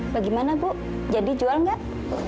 bagaimana bu jadi jual nggak